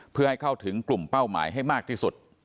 เพื่อให้เข้าถึงกลุ่มเป้าหมายให้มากที่สุด